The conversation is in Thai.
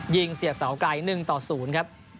เสียบเสาไกล๑ต่อ๐ครับ